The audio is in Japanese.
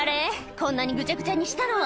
こんなにぐちゃぐちゃにしたのは！」